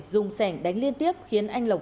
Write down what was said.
dùng sẻng đánh liên tiếp khiến anh lộc